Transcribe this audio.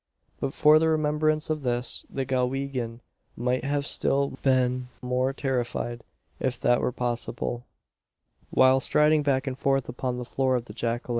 But for the remembrance of this, the Galwegian might have been still more terrified if that were possible while striding back and forth upon the floor of the jacale.